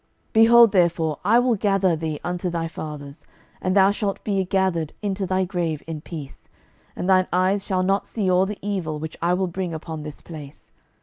12:022:020 Behold therefore, I will gather thee unto thy fathers, and thou shalt be gathered into thy grave in peace; and thine eyes shall not see all the evil which I will bring upon this place.